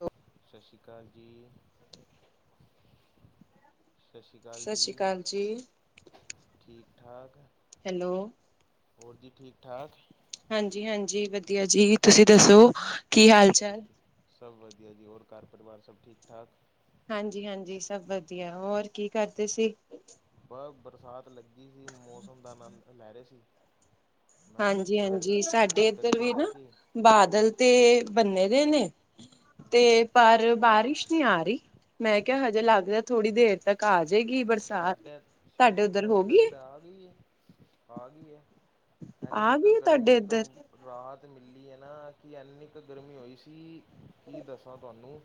ਹ ਸਤਿ ਸ਼੍ਰੀ ਅਕਾਲ ਜੀ। ਸਤਿ ਸ਼੍ਰੀ ਅਕਾਲ ਸਤਿ ਸ਼੍ਰੀ ਜੀ ਅਕਾਲ ਜੀ ਠੀਕ ਠਾਕ। ਹੈਲੋ। ਹੋਰ ਜੀ ਠੀਕ ਠਾਕ। ਹਾਂਜੀ ਹਾਂਜੀ ਵਧੀਆ ਜੀ ਤੁਸੀਂ ਦੱਸੋ ਕੀ ਹਾਲ ਸਭ ਚਾਲ ਵੀ ਸਭ ਵਧੀਆ ਜੀ ਹੋਰ ਕਰ ਪਰਵਾਰ ਸਭ ਠੀਕ ਠਾਕ ਹਾਂਜੀ ਹਾਂਜੀ ਸਭ ਵਧੀਆ ਹੋਰ ਕੀ ਕਰਦੇ ਸੀ? ਬਸ ਬਰਸਾਤ ਲੱਗੀ ਸੀ ਮੌਸਮ ਦਾ ਆਨੰਦ ਲੈ ਰਹੇ ਸੀ। ਮੈਂ ਹਾਂਜੀ ਪੁੱਛਿਆ ਹਾਂਜੀ ਸਾਡੇ ਉੱਧਰ ਇੱਧਰ ਵੀ ਨਾ ਹੈਗਾ ਕਿ ਬਾਦਲ ਤੇ ਬੰਨੇ ਰੇ ਨੇ ਤੇ ਜੀ, ਪਰ ਬਾਰਿਸ਼ ਨਹੀਂ ਆ ਰਹੀ ਮੈਂ ਕਿਹਾ ਹਜੇ ਲੱਗਦਾ ਥੋੜੀ ਦੇਰ ਤੱਕ ਆ ਜੇ ਗੀ ਬਰਸਾਤ ਸਾਡੇ ਤੁਹਾਡੇ ਉੱਧਰ ਸਾਡੇ ਹੋਗੀ ਇੱਧਰ ਏ? ਤਾਂ ਆ ਗਈ ਆ ਗਈ ਹੈ ਐਨੀ ਆ ਕੁ ਗਈ ਹੈ ਤੁਹਾਡੇ ਗਰਮੀ ਤੋਂ ਇੱਧਰ ਰਾਹਤ ਮਿਲੀ ਹੈ ਨਾ ਕਿ ਐੰਨੀ ਕੁ ਗਰਮੀ ਹੋਈ ਸੀ ਕੀ ਦੱਸਾਂ ਤੁਹਾਨੂੰ।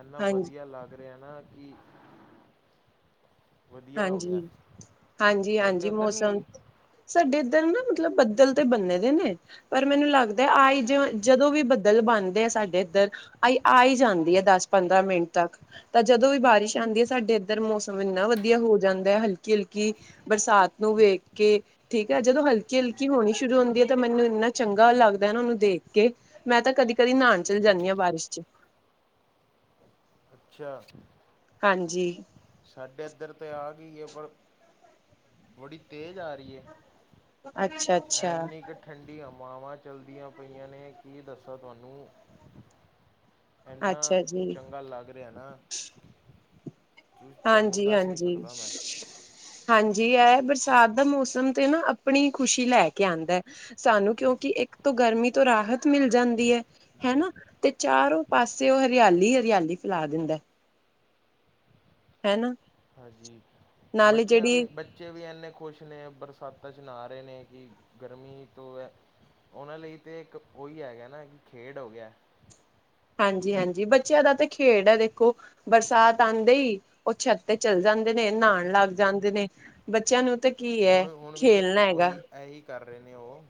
ਇੰਨਾ ਹਾਂਜੀ ਵਧੀਆ ਲੱਗ ਰਿਹਾ ਨਾ ਕਿ ਵਧੀਆ ਹੋ ਗਿਆ ਹਾਂਜੀ ਹਾਂਜੀ ਤੁਹਾਡੇ ਹਾਂਜੀ ਉੱਧਰ ਨਹੀਂ ਮੌਸਮ ਆਈ? ਸਾਡੇ ਇੱਧਰ ਨਾ ਮਤਲਬ ਬੱਦਲ ਤੇ ਬੰਨੇ ਰੇ ਨੇ ਪਰ ਮੈਨੂੰ ਲੱਗਦਾ ਆਈ ਜਿ ਜਦੋਂ ਵੀ ਬੱਦਲ ਬਣਦੇ ਆ ਸਾਡੇ ਇੱਧਰ ਆਈ ਆ ਜਾਂਦੀ ਹੈ ਦਸ ਪੰਦਰਾਂ ਮਿੰਟ ਤੱਕ। ਤਾਂ ਜਦੋਂ ਵੀ ਬਾਰਿਸ਼ ਆਂਦੀ ਹੈ ਸਾਡੇ ਇੱਧਰ ਮੌਸਮ ਇੰਨਾ ਵਧੀਆ ਹੋ ਜਾਂਦਾ ਹੈ ਹਲਕੀ ਹਲਕੀ ਬਰਸਾਤ ਨੂੰ ਵੇਖ ਕੇ ਠੀਕ ਹੈ ਜਦੋਂ ਹਲਕੀ ਹਲਕੀ ਹੋਣੀ ਸ਼ੁਰੂ ਹੁੰਦੀ ਹੈ ਤਾਂ ਮੈਨੂੰ ਇੰਨਾ ਚੰਗਾ ਲੱਗਦਾ ਉਹਨੂੰ ਦੇਖ ਕੇ। ਮੈਂ ਤਾਂ ਕਦੀ ਕਦੀ ਨਾਨ ਚਲੀ ਜਾਂਦੀ ਹਾਂ ਬਾਰਿਸ਼ ਚ। ਅੱਛਾ! ਹਾਂਜੀ! ਸਾਡੇ ਇੱਧਰ ਤੇ ਆ ਗਈ ਹੈ ਪਰ ਬੜੀ ਤੇਜ਼ ਆ ਰਹੀ ਏ! ਅੱਛਾ! ਅੱਛਾ ਐਨੀ ਕ ਠੰਡੀ ਹਵਾਵਾਂ ਚੱਲਦੀਆਂ ਪਈਆਂ ਨੇ ਕੀ ਦੱਸਾਂ ਤੁਹਾਨੂੰ! ਇੰਨਾ ਅੱਛਾ ਜੀ ਚੰਗਾ ਲੱਗ ਰਿਹਾ ਨਾ! ਤੁਹਾਨੂੰ ਹਾਂਜੀ ਦੱਸ ਨਹੀਂ ਹਾਂਜੀ! ਸਕਦਾ ਮੈਂ ਹਾਂਜੀ ਇਹ ਬਰਸਾਤ ਦਾ ਮੌਸਮ ਤੇ ਨਾ ਆਪਣੀ ਖੁਸ਼ੀ ਲੈ ਕੇ ਆਂਦਾ ਏ! ਸਾਨੂੰ ਕਿਉਂਕਿ ਇੱਕ ਤੋਂ ਗਰਮੀ ਤੋਂ ਰਾਹਤ ਮਿਲ ਜਾਂਦੀ ਹੈ। ਜੀ ਹਨਾ ਤੇ ਚਾਰੋਂ ਪਾਸੇ ਉਹ ਹਰਿਆਲੀ ਹਰਿਆਲੀ ਫੈਲਾ ਦਿੰਦਾ। ਹੈ ਨਾ। ਹਾਂਜੀ ਬੱਚਿਆਂ ਵੀ ਬ ਬੱਚੇ ਵੀ ਇੰਨੇ ਖੁਸ਼ ਨੇ ਬਰਸਾਤਾਂ ਚ ਨਾਹ ਰਹੇ ਨੇ ਕਿ ਗਰਮੀ ਤੋਂ ਏ ਉਹਨਾਂ ਲਈ ਤੇ ਇੱਕ ਉਹੀ ਹੈਗਾ ਨਾ ਕਿ ਖੇਡ ਹੋ ਗਿਆ। ਹਾਂਜੀ ਹਾਂਜੀ ਬੱਚਿਆਂ ਦਾ ਤਾਂ ਖੇਡ ਹੈ ਦੇਖੋ। ਬਰਸਾਤ ਆਂਦੇ ਇ ਉਹ ਛੱਤ ਤੇ ਚੱਲ ਜਾਂਦੇ ਨੇ ਨਾਨ। ਲੱਗ ਜੀ ਜਾਂਦੇ ਨੇ ਬੱਚਿਆਂ ਨੂੰ ਤੇ- ਹੁਣ ਹੁਣ ਵੀ ਤੇ ਉਹੀ ਇਹੀ ਕਰ ਰਹੇ ਨੇ ਉਹ।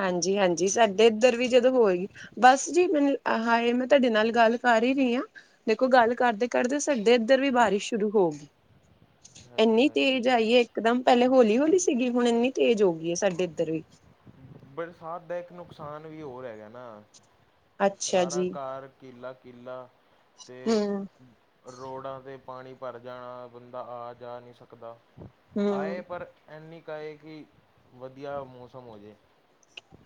ਹਾਂਜੀ ਹਾਂਜੀ ਸਾਡੇ ਇੱਧਰ ਵੀ ਜਦੋਂ ਹੋਏ ਬਸ ਜੀ ਮੈਨੂੰ ਹਾਏ ਮੈਂ ਤੁਹਾਡੇ ਨਾਲ ਗੱਲ ਕਰ ਹੀ ਰਹੀ ਹਾਂ। ਦੇਖੋ ਗੱਲ ਕਰਦੇ ਕਰਦੇ ਸਾਡੇ ਇੱਧਰ ਵੀ ਬਾਰਿਸ਼ ਸ਼ੁਰੂ ਹੋਗੀ। ਹਾਂਜੀ ਇੰਨੀ ਹਾਂਜੀ ਤੇਜ਼ ਆਈ ਏ! ਇਕਦਮ ਪਹਿਲੇ ਹੌਲੀ ਹੋਲੀ ਸੀਗੀ ਹੁਣ ਇੰਨੀ ਤੇਜ਼ ਹੋ ਗਈ ਏ ਸਾਡੇ ਇੱਧਰ ਵੀ। ਬਰਸਾਤ ਦਾ ਇੱਕ ਨੁਕਸਾਨ ਵੀ ਹੋਰ ਹੈਗਾ ਨਾ ਅੱਛਾ ਸਾਰਾ ਜੀ ਘਰ ਕਿਲਾ ਕਿਲਾ ਤੇ ਹਮ ਰੋੜਾ ਦੇ ਪਾਣੀ ਭਰ ਜਾਣਾ ਬੰਦਾ ਆ ਜਾ ਨਹੀਂ ਸਕਦਾ ਹਮ ਆਏ ਪਰ ਇੰਨੀ ਕ ਆਏ ਕਿ ਵਧੀਆ ਮੌਸਮ ਹੋ ਜੇ।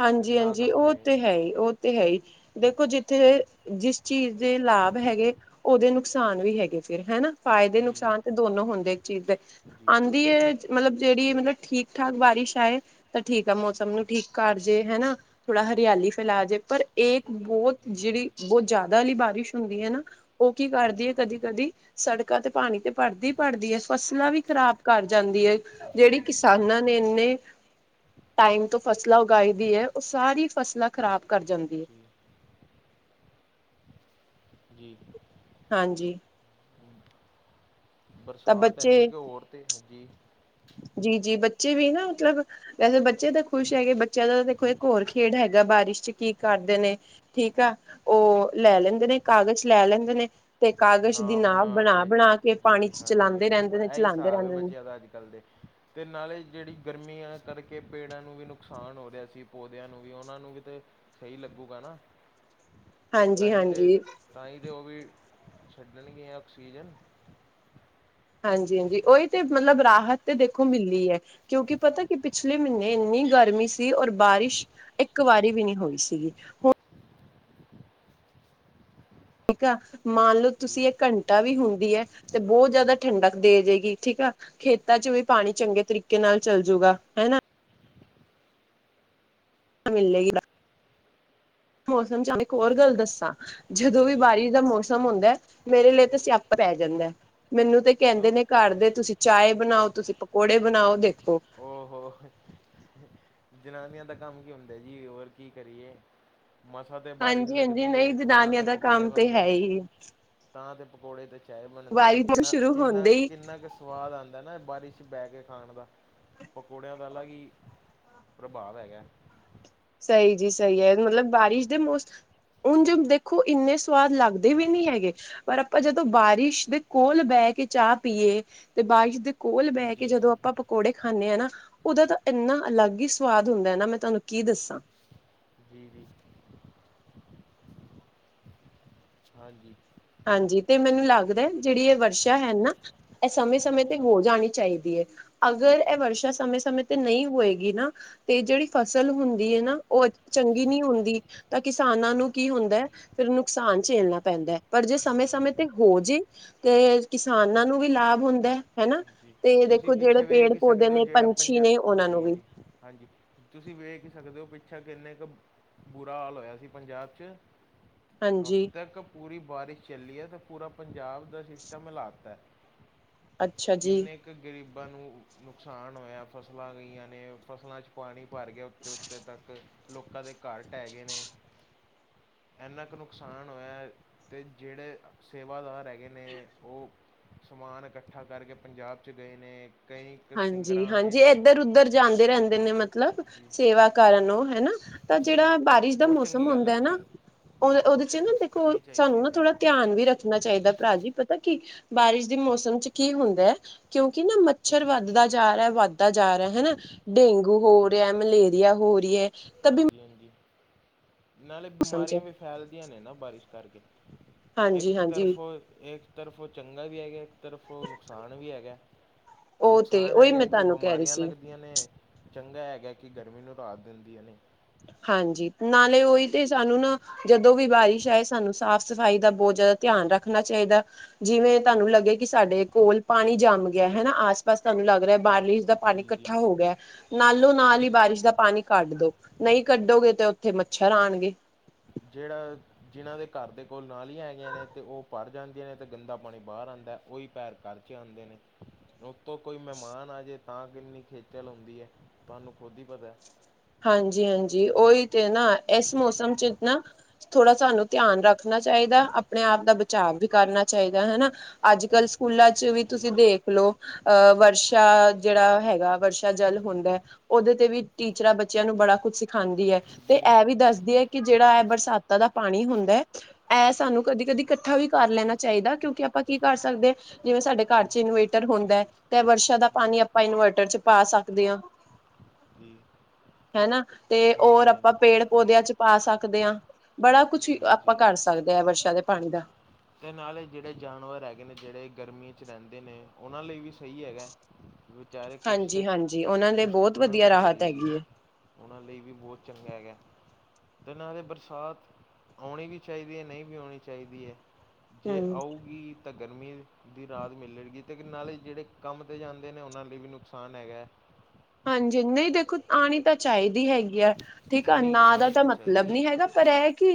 ਹਾਂਜੀ ਨਾ ਹਾਂਜੀ ਗਰਮੀ ਉਹ ਹੋਏ ਤੇ ਹੈ ਹੀ ਉਹ ਤੇ ਹੈ ਹੀ! ਦੇਖੋ ਜਿੱਥੇ ਜਿਸ ਚੀਜ਼ ਦੇ ਲਾਭ ਹੈਗੇ ਉਹਦੇ ਨੁਕਸਾਨ ਵੀ ਹੈਗੇ ਫਿਰ ਹਨਾ। ਫਾਇਦੇ ਜੀ ਜੀ ਨੁਕਸਾਨ ਤੇ ਦੋਨੋ ਹੁੰਦੇ ਇੱਕ ਚੀਜ਼ ਦੇ। ਜੀ ਆਂਦੀ ਏ ਮਤਲਬ ਜਿਹੜੀ ਮਤਲਬ ਠੀਕ ਠਾਕ ਬਾਰਿਸ਼ ਆਏ ਤਾਂ ਠੀਕ ਆ ਮੌਸਮ ਨੂੰ ਠੀਕ ਘਰ ਚ ਜੇ ਹਨਾ, ਥੋੜਾ ਜੀ ਹਰਿਆਲੀ ਫੈਲਾ ਜੇ, ਪਰ ਇਹ ਬਹੁਤ ਜੀ ਜਿਹੜੀ ਬਹੁਤ ਜ਼ਿਆਦਾ ਵਾਲੀ ਬਾਰਿਸ਼ ਹੁੰਦੀ ਹੈ ਨਾ, ਉਹ ਕੀ ਕਰਦੀ ਹੈ ਕਦੀ-ਕਦੀ ਸੜਕਾਂ ਤੇ ਪਾਣੀ ਤੇ ਭਰਦੀ-ਭਰਦੀ ਹੈ, ਫਸਲਾਂ ਵੀ ਖ਼ਰਾਬ ਕਰ ਜਾਂਦੀ ਹੈ। ਜਿਹੜੀ ਜੀ ਕਿਸਾਨਾਂ ਨੇ ਇਨੇ ਟਾਈਮ ਤੋਂ ਫਸਲ ਫਸਲਾਂ ਉਗਾਈ ਦੀ ਹੈ, ਉਹ ਸਾਰੀ ਫਸਲਾਂ ਖ਼ਰਾਬ ਕਰ ਜਾਂਦੀ ਹੈ। ਹ ਜੀ! ਹਾਂਜੀ! ਤਾਂ ਬਰਸਾਤ ਇੰਨੀ ਬੱਚੇ ਕੁ ਹੋਰ ਤੇ ਹੈਜੀ ਜੀ ਜੀ, ਬੱਚੇ ਵੀ ਨਾ, ਮਤਲਬ ਵੈਸੇ ਬੱਚੇ ਤਾਂ ਖੁਸ਼ ਹੈਗੇ, ਬੱਚਿਆਂ ਦਾ ਦੇਖੋ ਇੱਕ ਹੋਰ ਖੇਡ ਹੈਗਾ, ਬਾਰਿਸ਼ ਚ ਕੀ ਕਰਦੇ ਨੇ? ਠੀਕ ਆ, ਉਹ ਲੈ ਲੈਂਦੇ ਨੇ, ਕਾਗਜ਼ ਲੈ ਲੈਂਦੇ ਨੇ। ਤੇ ਕਾਗਜ਼ ਦੀ ਨਾ ਨਾਵ ਬਣਾ [inaudible] ਜੀ ਬਣਾ ਕੇ ਪਾਣੀ ਚ ਹਾਂਜੀ, ਚਲਾਉਂਦੇ ਹਾਂਜੀ! ਰਹਿੰਦੇ ਨੇ ਇਹਹੀ ਚਲਾਉਂਦੇ ਹਿਸਾਬ ਹੈ ਰਹਿੰਦੇ ਨੇ ਬੱਚਿਆਂ ਦਾ ਅੱਜ-ਕੱਲ੍ਹ ਦੇ। ਅਤੇ ਨਾਲੇ, ਜਿਹੜੀ ਗਰਮੀਆਂ ਕਰਕੇ ਪੇੜਾਂ ਨੂੰ ਵੀ ਨੁਕਸਾਨ ਹੋ ਰਿਹਾ ਸੀ, ਪੌਦਿਆਂ ਨੂੰ ਵੀ, ਉਹਨਾਂ ਨੂੰ ਵੀ ਤਾਂ ਸਹੀ ਲੱਗੇਗਾ ਨਾ, ਹਾਂਜੀ ਤਾਂਹੀ ਤਾਂ, ਹਾਂਜੀ ਤਹੀ ਤਾਂ ਉਹ ਵੀ ਛੱਡਣ ਗ ਆਕਸੀਜਨ। ਹਾਂਜੀ ਹਾਂਜੀ, ਉਹੀ ਤੇ ਮਤਲਬ ਰਾਹਤ ਤੇ ਦੇਖੋ ਮਿਲਨੀ ਹੈ ਕਿਉਂਕਿ ਪਤਾ, ਕਿ ਪਿਛਲੇ ਮਹੀਨੇ ਇੰਨੀ ਗਰਮੀ ਸੀ। ਔਰ ਬਾਰਿਸ਼ ਇੱਕ ਵਾਰੀ ਵੀ ਨਹੀਂ ਹੋਈ ਸੀਗੀ ਹੁਣ। ਠੀਕ ਆ ਮੰਨ ਲਓ ਜੀ ਤੁਸੀਂ ਇਹ ਘੰਟਾ ਵੀ ਹੁੰਦੀ ਹੈ। ਤੇ ਬਹੁਤ ਜੀ ਜਿਆਦਾ ਠੰਡਕ ਦੇ ਜਾਏਗੀ ਠੀਕ ਆ। ਖੇਤਾਂ ਚ ਵੀ ਪਾਣੀ ਚੰਗੇ ਤਰੀਕੇ ਨਾਲ ਚੱਲਜੂਗਾ ਹਨਾ। ਮਿਲਲੇਗੀ ਮੌਸਮ ਚ ਇੱਕ ਹੋਰ ਗੱਲ ਦੱਸਾਂ। ਜਦੋਂ ਵੀ ਹਾਂਜੀ ਹਾਂਜੀ ਬਾਰਿਸ਼ ਦਾ ਮੌਸਮ ਹੁੰਦਾ ਮੇਰੇ ਲਈ ਤਾਂ ਸਿਆਪ ਪੈ ਜਾਂਦਾ ਮੈਨੂੰ। ਤੇ ਕਹਿੰਦੇ ਕਿਉਂ ਨੇ ਘਰ ਦੇ ਤੁਸੀਂ ਚਾਏ ਬਣਾਓ ਤੁਸੀਂ ਪਕੌੜੇ ਬਣਾਓ ਦੇਖੋ। ਹੋੋ ਉਹ। ਜਨਾਨੀਆਂ ਦਾ ਕੰਮ ਕੀ ਹੁੰਦਾ ਜੀ ਹੋਰ ਕੀ ਕਰੀਏ। ਮਸਾਂ ਤੇ ਬਾਰਿਸ਼ ਹਾਂਜੀ ਹਾਂਜੀ ਲੱਗਦੀ ਨਹੀਂ ਹੈ ਤਾਂ ਚਾਹ ਜਨਾਨੀਆਂ ਤੇ ਦਾ ਪਕੌੜੇ ਕੰਮ ਤੇ ਬਣਦੇ ਹੈ ਨੇ ਹੀ ਤਾਂ ਚਾਹ ਤੇ ਪਕੌੜੇ ਤੇ। ਚਾਏ ਬਣਦੇ ਨੇ, ਬਾਰਿਸ਼ ਕਿੰਨਾ, ਸ਼ੁਰੂ ਕਿੰਨਾ, ਹੁੰਦੇ ਹੀ ਕਿੰਨਾ ਕੁ ਸਵਾਦ ਆਉਂਦਾ ਨਾ, ਬਾਰਿਸ਼ ਬਹਿ ਕੇ ਖਾਣ ਦਾ। ਪਕੌੜਿਆਂ ਦਾ ਅਲਗ ਹੀ ਪ੍ਰਭਾਵ ਹੈਗਾ। ਸਹੀ ਜੀ, ਸਹੀ ਹੈ, ਮਤਲਬ ਬਾਰਿਸ਼ ਦੇ ਮੌਸਮ ਹੁਣ ਜ ਦੇਖੋ ਇੰਨੇ ਸਵਾਦ ਲੱਗਦੇ ਵੀ ਨਹੀਂ ਹੈਗੇ। ਪਰ ਆਪਾਂ ਜਦੋਂ ਬਾਰਿਸ਼ ਦੇ ਕੋਲ ਬਹਿ ਕੇ ਚਾਹ ਪੀਏ, ਤੇ ਬਾਰਿਸ਼ ਦੇ ਕੋਲ ਬਹਿ ਕੇ ਜੀ ਜਦੋਂ ਆਪਾਂ ਪਕੌੜੇ ਖਾਂਦੇ ਆ ਨਾ, ਉਹਦਾ ਤਾਂ ਇੰਨਾ ਅਲੱਗ ਹੀ ਸਵਾਦ ਹੁੰਦਾ ਹੈ ਨਾ, ਮੈਂ ਤੁਹਾਨੂੰ ਕੀ ਦੱਸਾਂ! [inaudible] ਜੀ ਜੀ ਹਾਂਜੀ। ਹਾਂਜੀ, ਤੇ ਮੈਨੂੰ ਲੱਗਦਾ ਜਿਹੜੀ ਇਹ ਵਰਸ਼ਾ ਹੈ ਨਾ ਇਹ ਸਮੇਂ-ਸਮੇਂ ਤੇ ਹਾਂਜੀ ਹੋ ਜਾਣੀ ਚਾਹੀਦੀ ਹੈ। ਅਗਰ ਇਹ ਵਰਸ਼ਾ ਸਮੇਂ-ਸਮੇਂ ਤੇ ਨਹੀਂ ਹੋਏਗੀ ਨਾ ਤੇ ਜਿਹੜੀ ਫਸਲ ਹੁੰਦੀ ਹੈ ਨਾ, ਉਹ ਚੰਗੀ ਨੀ ਹੁੰਦੀ। ਤਾਂ ਕਿਸਾਨਾਂ ਜੀ ਨੂੰ ਕੀ ਹੁੰਦਾ ਫਿਰ ਨੁਕਸਾਨ ਝੇਲਣਾ ਪੈਂਦਾ ਹੈ। ਪਰ ਜੇ ਸਮੇਂ ਜੀ ਸਮੇਂ ਤੇ ਹੋ ਜੇ ਤੇ ਕਿਸਾਨਾਂ ਨੂੰ ਵੀ ਲਾਭ ਹੁੰਦਾ ਹਨਾ। ਜੀ ਤੇ ਤੁਸੀਂ ਦੇਖੋ ਜਿਹੜੇ ਪਿੱਛੇ ਪੇੜ ਵੇਖ ਹੀ ਪੌਦੇ ਸਕਦੇ ਹੋ ਨੇ ਜਿਹੜਾ ਪੰਜ ਪੰਛੀ ਨੇ ਉਹਨਾਂ ਜੀ ਨੂੰ ਵੀ ਜੀ ਹਾਂਜੀ। ਤੁਸੀਂ ਵੇਖ ਸਕਦੇ ਹੋ ਪਿੱਛਾ ਕਿੰਨੇ ਕੁ ਬੁਰਾ ਹਾਲ ਹੋਇਆ ਸੀ ਪੰਜਾਬ 'ਚ। ਹਾਂਜੀ ਹਫ਼ਤਾ ਕ ਪੂਰੀ ਬਾਰਿਸ਼ ਚੱਲਹੀ ਹੈ ਤਾਂ। ਪੂਰਾ ਪੰਜਾਬ ਦਾ ਸਿਸਟਮ ਹਲਾਤ ਅੱਛਾ ਜੀ ਕਿੰਨੇ ਕੁ ਕਿ ਗਰੀਬਾਂ ਨੂੰ ਨੁਕਸਾਨ ਹੋਇਆ ਫਸਲਾਂ ਗਈਆਂ ਨੇ ਫਸਲਾਂ 'ਚ। ਪਾਣੀ ਭਰ ਗਿਆ ਉੱਤੇ ਉੱਤੇ ਤੱਕ ਲੋਕਾਂ ਦੇ ਘਰ ਢਹਿ ਗਏ ਨੇ। ਇੰਨਾ ਕੁ ਨੁਕਸਾਨ ਹੋਇਆ। ਅਤੇ ਜਿਹੜੇ ਸੇਵਾਦਾਰ ਹੈਗੇ ਨੇ ਉਹ ਸਮਾਨ ਇਕੱਠਾ ਕਰਕੇ ਪੰਜਾਬ ੱਚ ਗਏ ਨੇ ਕਈ ਕ ਹਾਂਜੀ ਸਿੰਗਰਾਂ ਆਏ ਹਾਂਜੀ ਨੇ। ਇੱਧਰ ਉਧਰ ਜਾਂਦੇ ਰਹਿੰਦੇ ਨੇ ਮਤਲਬ, ਜੀ ਸੇਵਾ ਕਰਨ ਉਹ ਹਨਾ। ਤਾਂ ਜਿਹੜਾ ਬਾਰਿਸ਼, ਦਾ ਬਹੁਤ ਮੌਸਮ ਚੰਗੀ ਗੱਲ ਹੁੰਦਾ ਹੈ ਨਾ। ਜੀ ਉਹ ਉਹਦੇ ਚ ਨਾ ਦੇਖੋ, ਕਰਨੀ ਚਾਹੀਦੀ ਸਾਨੂੰ ਹੈ ਨਾ ਥੋੜਾ ਸੇਵਾ ਧਿਆਨ ਵੀ ਰੱਖ। ਰਖਣਾ ਚਾਹੀਦਾ। ਭਰਾ ਜੀ ਪਤਾ ਕੀ ਬਾਰਿਸ਼ ਦੇ ਮੌਸਮ ਚ ਕੀ ਹੁੰਦਾ ਹੈ। ਕਿਉਂਕਿ ਨਾ। ਮੱਛਰ ਵੱਧਦਾ ਜਾ ਰਿਹਾ- ਵੱਧਦਾ ਜਾ ਰਿਹਾ ਹਨਾ। ਡੇਂਗੂ ਹੋ ਰਿਹਾ, ਮਲੇਰੀਆ ਹੋ ਰਹੀ ਹੈ। ਤਾਂ ਵੀ ਹਾਂਜੀ- ਹਾਂਜੀ। ਨਾਲੇ ਮੌਸਮ ਬਿਮਾਰੀਆਂ ਚ ਵੀ ਫੈਲਦੀਆਂ ਨੇ ਨਾ ਬਾਰਿਸ਼ ਕਰਕੇ। ਇੱਕ ਹਾਂਜੀ ਹਾਂਜੀ ਤਰਫੋਂ ਇੱਕ ਤਰਫ ਉਹ ਚੰਗਾ ਵੀ ਹੈਗਾ। ਇਕ ਤਰਫੋ ਨੁਕਸਾਨ ਵੀ ਹੈਗਾ। ਉਹ ਤੇ ਨੁਕਸਾਨ ਏ ਉਹੀ ਹੈਗਾ ਮੈਂ ਕਿ ਤੁਹਾਨੂੰ ਕਹਿ ਰਹੀ ਬਿਮਾਰੀਆਂ ਸੀ ਲੱਗਦੀਆਂ। ਨੇ ਚੰਗਾ ਹੈਗਾ ਕਿ, ਗਰਮੀ ਨੂੰ ਰਾਤ ਦਿੰਦੀਆਂ ਨੇ। ਹਾਂਜੀ, ਨਾਲੇ ਉਹੀ ਤੇ ਸਾਨੂੰ ਨਾ ਜਦੋਂ ਵੀ ਬਾਰਿਸ਼ ਆਏ। ਸਾਨੂੰ ਸਾਫ਼ ਸਫ਼ਾਈ ਦਾ ਬਹੁਤ ਜ਼ਿਆਦਾ ਧਿਆਨ ਰੱਖਣਾ ਚਾਹੀਦਾ। ਜਿਵੇਂ ਤੁਹਾਨੂੰ ਲੱਗੇ ਕਿ ਸਾਡੇ ਕੋਲ ਪਾਣੀ ਜੰਸ ਗਿਆ। ਹਨਾ, ਆਸ- ਪਾਸ ਤੁਹਾਨੂੰ ਲੱਗ। ਲੱਗ ਰਿਹਾ ਬਾਰਿਸ਼ ਦਾ ਪਾਣੀ ਜੀ ਜੀ ਇਕੱਠਾ ਹੋ ਗਿਆ। ਨਾਲੋਂ- ਨਾਲ ਹੀ ਬਾਰਿਸ਼ ਦਾ ਪਾਣੀ ਕੱਢ ਦੋ। ਨਹੀਂ ਕੱਢੋਗੇ ਤੇ ਉੱਥੇ ਮੱਛਰ ਆਉਣਗੇ। ਜਿਹੜਾ ਜਿਨਾਂ ਦੇ ਘਰ ਦੇ ਕੋਲ ਨਾਲੀਆਂ ਹੈਗੀਆਂ ਨੇ। ਤੇ ਉਹ ਭਰ ਜਾਂਦੀਆਂ ਨੇ ਤੇ ਗੰਦਾ ਪਾਣੀ ਬਾਹਰ ਆਉਂਦਾ। ਉਹੀ ਪੈਰ ਘਰ ਚ ਆਉਂਦੇ ਨੇ। ਉੱਤੋਂ ਕੋਈ ਮਹਿਮਾਨ ਆ ਜਾਵੇ। ਤਾਂ ਕਿੰਨੀ ਖੇਚਲ ਹੁੰਦੀ ਹੈ, ਤੁਹਾਨੂੰ ਖੁਦ ਹੀ ਪਤਾ। ਹਾਂਜੀ- ਹਾਂਜੀ ਉਹੀ ਤੇ ਨਾ। ਇਸ ਮੌਸਮ ਚ ਨਾ ਥੋੜਾ ਸਾਨੂੰ। ਧਿਆਨ ਰੱਖਣਾ ਚਾਹੀਦਾ। ਆਪਣੇ ਆਪ ਦਾ ਬਚਾਅ ਵੀ ਕਰਨਾ ਚਾਹੀਦਾ, ਹਨਾ। ਅੱਜ ਕੱਲ ਸਕੂਲਾਂ ਚ ਵੀ ਜੀ ਤੁਸੀਂ ਜੀ ਦੇਖ ਲਓ। ਅਹ ਵਰਸ਼ਾ ਜਿਹੜਾ ਹੈਗਾ, ਵਰਸ਼ਾ ਜਲ ਹੁੰਦਾ ਉਹਦੇ ਤੇ ਵੀ ਟੀਚਰਾਂ ਬੱਚਿਆਂ ਨੂੰ ਬੜਾ ਕੁੱਝ ਸਿਖਾਉਂਦੀ ਹੈ। ਤੇ ਜੀ ਇਹ ਵੀ ਦੱਸਦੀ ਹੈ, ਕਿ ਜਿਹੜਾ ਇਹ ਬਰਸਾਤਾਂ ਦਾ ਪਾਣੀ ਹੁੰਦਾ ਹੈ ਇਹ ਸਾਨੂੰ ਕਦੀ- ਕਦੀ ਇਕੱਠਾ ਵੀ ਕਰ ਲੈਣਾ ਚਾਹੀਦਾ। ਕਿਉਂਕਿ ਆਪਾਂ ਕੀ ਕਰ ਸਕਦੇ ਜਿਵੇਂ ਸਾਡੇ ਘਰ ਚ ਇਨਵੇਰਟਰ ਹੁੰਦਾ ਹੈ। ਤੇ ਵਰਸ਼ਾ ਦਾ ਜੀ ਪਾਣੀ ਆਪਾਂ ਇਨਵਰਟਰ ਚ ਪਾ ਸਕਦੇ ਹਾਂ। ਹੂੰ। ਹਨਾ, ਤੇ ਹੋਰ ਆਪਾਂ ਪੇੜ- ਪੌਦਿਆਂ ਚ ਪਾ ਸਕਦੇ ਹਾਂ। ਬੜਾ ਕੁਛ ਜੀ ਜੀ ਆਪਾਂ ਕਰ ਸਕਦੇ ਹਾਂ। ਵਰਸ਼ਾ ਦੇ ਪਾਣੀ ਦਾ। ਅਤੇ ਨਾਲੇ ਜਿਹੜੇ ਜਾਨਵਰ ਹੈਗੇ ਨੇ। ਜਿਹੜੇ ਗਰਮੀਆਂ ਚ ਰਹਿੰਦੇ ਨੇ। ਉਹਨਾਂ ਲਈ ਵੀ ਸਹੀ ਹੈਗਾ। ਵਿਚਾਰੇ ਕੁਛ ਤੇ ਹਾਂਜੀ ਹਾਂਜੀ ਉਹਨਾਂ ਲਈ ਕੁਸ਼ ਬਹੁਤ ਉਨਾਂ ਵਧੀਆ ਨੂੰ, ਰਾਹਤ ਜੀ- ਜੀ। ਹੈਗੀ ਹੈ ਉਹਨਾਂ ਲਈ ਵੀ, ਬਹੁਤ ਚੰਗਾ ਹੈਗਾ। ਤੇ ਨਾਲ ਇਹ ਬਰਸਾਤ ਆਉਣੀ ਵੀ ਚਾਹੀਦੀ ਹੈ। ਨਹੀਂ ਵੀ ਆਉਣੀ ਚਾਹੀਦੀ ਹੈ। ਜੇ ਹਮ ਆਊਗੀ। ਤਾਂ ਗਰਮੀ ਦੀ ਰਾਤ ਮਿਲੇਗੀ, ਤੇ ਨਾਲੇ ਜਿਹੜੇ ਕੰਮ ਤੇ ਜਾਂਦੇ ਨੇ, ਉਹਨਾਂ ਲਈ ਵੀ ਨੁਕਸਾਨ ਹੈਗਾ ਹੈ। ਹਾਂਜੀ, ਨਹੀਂ ਦੇਖੋ ਆਉਣੀ ਤਾਂ ਚਾਹੀਦੀ ਹੈਗੀ ਆ। ਠੀਕ ਆ, ਨਹੀਂ ਨਾ ਦਾ ਆਉਣੀ ਤਾਂ ਮਤਲਬ ਚਾਹੀਦੀ ਹੈ ਨੀ ਹੈਗਾ। ਪਰ ਇਹ ਕਿ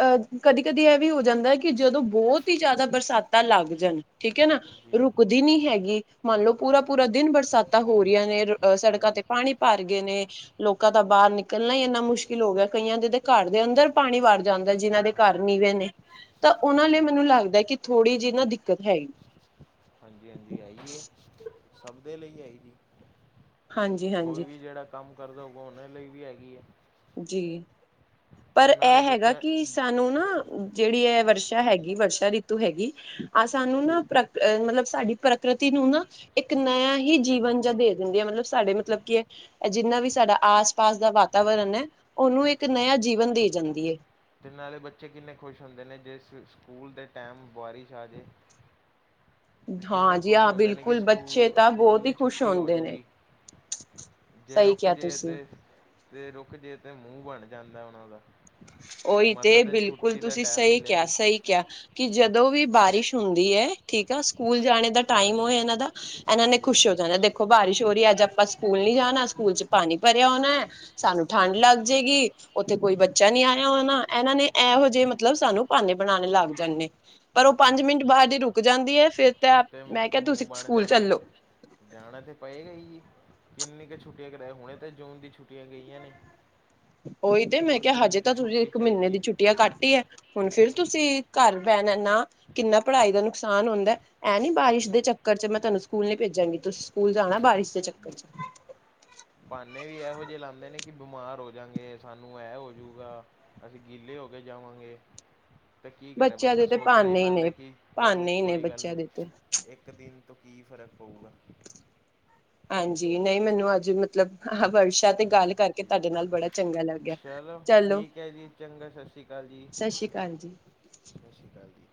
ਅਹ ਕਦੀ- ਕਦੀ ਇਹ ਵੀ ਹੋ ਜਾਂਦਾ ਕਿ, ਜਦੋਂ ਬਹੁਤ ਹੀ ਜ਼ਿਆਦਾ ਬਰਸਾਤਾਂ ਲੱਗ ਜਾਣ। ਠੀਕ ਹੈ ਨਾ, ਜੀ ਰੁਕਦੀ ਨੀ ਹੈਗੀ। ਮੰਨ ਲਓ ਜੀ ਪੂਰਾ- ਪੂਰਾ ਦਿਨ ਬਰਸਾਤਾਂ ਹੋ ਰਹੀਆਂ ਨੇ। ਸੜਕਾਂ ਹਾਂਜੀ ਹਾਂਜੀ ਤੇ ਪਾਣੀ ਭਰ ਗਏ ਨੇ। ਲੋਕਾਂ ਦਾ ਬਾਹਰ ਨਿਕਲਣਾ ਹੀ ਇੰਨਾ ਮੁਸ਼ਕਿਲ ਹੋ ਗਿਆ। ਕਈਆਂ ਦੇ ਘਰ ਦੇ ਅੰਦਰ ਪਾਣੀ ਵਰ ਜਾਂਦਾ। ਜਿਹਨਾਂ ਦੇ ਘਰ ਹਾਂਜੀ ਨੀਵੇਂ ਨੇ ਤਾਂ ਉਹਨਾਂ ਲਈ ਮੈਨੂੰ ਲੱਗਦਾ ਕਿ, ਥੋੜੀ ਜਿਹੀ ਨਾ ਦਿੱਕਤ ਹੈਗੀ। ਹਾਂਜੀ- ਹਾਂਜੀ। ਸਭ ਦੇ ਲਈ ਹੈ ਜੀ, ਹਾਂਜੀ ਕੋਈ ਹਾਂਜੀ ਵੀ ਜਿਹੜਾ ਕੰਮ ਕਰਦਾ ਹੋਗਾ। ਉਹਨਾਂ ਲਈ ਵੀ ਹੈਗੀ ਆ। ਜੀ, ਪਰ ਨਾਲੇ ਇਹ ਹੈਗਾ ਬੱਚਿਆਂ ਕਿ ਸਾਨੂੰ ਨਾ ਜਿਹੜੀ ਹੈ ਵਰਸ਼ਾ ਹੈਗੀ। ਵਰਸ਼ਾ ਰੀਤੂ ਹੈਗੀ ਆਹ ਸਾਨੂੰ ਨਾ ਮਤਲਬ, ਸਾਡੀ ਪ੍ਰਕਿਰਤੀ ਨੂੰ ਨਾ ਇੱਕ ਨਇਆ ਹੀ ਜੀਵਨ ਜਾਂ ਦੇ ਦਿੰਦੀ ਆ। ਮਤਲਬ ਸਾਡੇ ਮਤਲਬ ਕੀ ਹੈ। ਜਿੰਨਾ ਵੀ ਸਾਡਾ ਆਸ- ਪਾਸ ਦਾ ਵਾਤਾਵਰਨ ਹੈ। ਉਹਨੂੰ ਇੱਕ ਨਇਆ ਜੀਵਨ ਦੇ ਜਾਂਦੀ ਹੈ। ਅਤੇ ਨਾਲੇ ਬੱਚੇ ਕਿੰਨੇ ਖੁਸ਼ ਹੁੰਦੇ ਨੇ ਜੇ ਸਕੂਲ ਦੇ ਟਾਈਮ ਬਾਰਿਸ਼ ਆ ਜਾਵੇ ਅਤੇ ਹਾਂ ਕਿੰਨਾ ਜੀ ਖੁਸ਼ ਹਾਂ ਹੁੰਦੇ ਨੇ ਕਿ ਬਿਲਕੁਲ ਬੱਚੇ ਸਕੂਲ ਤਾਂ ਸਕੂਲ ਬਹੁਤ ਹੀ ਦੀ ਖੁਸ਼ ਛੁੱਟੀ ਹੋ ਹੁੰਦੇ ਨੇ ਜੂਗੀ। ਜੇ ਸਹੀ ਰੁਕ ਕਿਹਾ ਜੇ ਤੁਸੀਂ ਤੇ, ਤੇ ਰੁਕ ਜੇ ਤੇ ਮੂੰਹ ਬਣ ਜਾਂਦਾ ਉਹਨਾਂ ਦਾ। ਉਓਹੀ ਮਸਾਂ ਤੇ ਬਿਲਕੁਲ ਛੁੱਟੀ ਦਾ ਤੁਸੀਂ ਟਾਈਮ ਸਹੀ ਮਿਲਿਆ ਕਿਹਾ ਸੀ ਸਹੀ ਸਹੀ ਕਿਆ ਕਿ ਜਦੋਂ ਵੀ ਬਾਰਿਸ਼ ਹੁੰਦੀ ਹੈ ਠੀਕ ਆ ਸਕੂਲ ਜਾਣੇ ਦਾ ਟਾਈਮ ਉਹ ਹਾਂਜੀ ਇਹਨਾਂ ਦਾ ਇਹਨਾਂ ਨੇ ਜੀ ਖੁਸ਼ ਹੋ ਜੀ ਕੇ ਦੇ ਦੇਖੋ ਬਾਰਿਸ਼ ਹੋ ਰਹੀ ਹੈ ਅੱਜ ਆਪਾਂ ਸਕੂਲ ਨੀ ਜਾਣਾ ਸਕੂਲ ਚ ਪਾਣੀ ਭਰਿਆ ਹੋਣਾ ਹੈ ਸਾਨੂੰ ਠੰਢ ਲੱਗ ਜਾਏਗੀ ਉੱਥੇ ਕੋਈ ਬੱਚਾ ਨਹੀਂ ਆਇਆ ਹੋਣਾ ਇਹਨਾਂ ਨੇ। ਇਹੋ ਜਿਹੇ ਮਤਲਬ ਸਾਨੂੰ ਬਹਾਨੇ ਬਣਾਉਣ ਲੱਗ ਜਾਂਦੇ ਨੇ ਪਰ ਉਹ ਪੰਜ ਮਿੰਟ ਬਾਅਦ ਜ ਰੁਕ ਜਾਂਦੀ ਹੈ ਫਿਰ ਐਸ ਤਾਂ ਟਾਈਮ ਮੈਂ ਤੇੇ ਕਿਹਾ ਮੂੰਹ ਤੁਸੀਂ ਬਣ ਸਕੂਲ ਜਾਂਦਾ। ਚੱਲੋ ਜਾਣਾ ਤਾਂ ਪਏਗਾ ਹੀ, ਕਿੰਨੀ ਕੁ ਛੁੱਟੀਆਂ ਕਰਾਏ ਹੁਣੇ ਤਾਂ ਜੂਨ ਦੀ ਛੁੱਟੀਆਂ ਗਈਆਂ ਨੇ। [unintelligible] ਉਹੀ ਤੇ ਮੈਂ ਹੋਰ ਕਿਹਾ ਹਜੇ ਕਿੰਨੀ ਕੁ ਤਾਂ ਤੁਸੀਂ ਛੁੱਟੀ ਇੱਕ ਮਹੀਨੇ ਚਾਹੀਦੀ ਦੀ ਹੈ ਛੁੱਟੀਆਂ ਘੱਟ ਹੀ ਹੈ ਹੁਣ ਫਿਰ ਤੁਸੀਂ ਘਰ ਬਹਿਣ ਏ ਨਾ, ਕਿੰਨਾ ਪੜ੍ਹਾਈ ਦਾ ਨੁਕਸਾਨ ਹੁੰਦਾ। ਐਂ ਨੀ ਬਾਰਿਸ਼ ਦੇ ਜੀ ਚੱਕਰ ਚ ਮੈਂ ਤੁਹਾਨੂੰ ਸਕੂਲ ਨੀ ਭੇਜਾਂਗੀ ਤੁਸੀ ਸਕੂਲ ਜਾਣਾ ਬਾਰਿਸ਼ ਦੇ ਚੱਕਰ ਚ। ਬਹਾਨੇ ਵੀ ਇਹੋ ਜਿਹੇ ਲਾਂਦੇ ਨੇ ਕਿ ਬੀਮਾਰ ਹੋ ਜਾਂਗੇ ਸਾਨੂੰ ਇਹ ਹੋਜੂਗਾ ਅਸੀਂ ਗਿੱਲੇ ਹੋ ਕੇ ਜਾਵਾਂਗੇ। ਤੇ ਕੀ ਕਰੇ ਬੱਚਿਆਂ ਬੰਦਾ ਦੇ ਤੇ ਸੋਚਣਾ ਹੀ ਭਾਨੇ ਪੈਂਦਾ ਨੇ ਕਿ ਚਲੋ ਭਾਨੇ ਹੀ ਨੇ ਕੋਈ ਗੱਲ ਬੱਚਿਆਂ ਨੀ। ਦੇ ਤੇ ਇੱਕ ਦਿਨ ਤੋਂ ਕੀ ਫ਼ਰਕ ਪਊਗਾ। ਹਾਂਜੀ ਨਹੀਂ ਮੈਨੂੰ ਅੱਜ ਮਤਲਬ। ਹਾਂ ਵਟਸਐਪ ਤੇ ਗੱਲ ਕਰਕੇ ਜੀ ਤੁਹਾਡੇ ਨਾਲ ਬੜਾ ਚੰਗਾ ਲੱਗਿਆ, ਚਲੋ। ਠੀਕ ਹੈ ਜੀ ਚੰਗਾ ਸਤਿ ਸ਼੍ਰੀ ਅਕਾਲ ਜੀ। ਸਤਿ ਸ੍ਰੀ ਅਕਾਲ ਜੀ ਸਤਿ ਸ਼੍ਰੀ ਅਕਾਲ ਜੀ